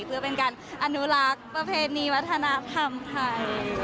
เพื่อเป็นการอนุรักษ์ประเพณีวัฒนธรรมไทย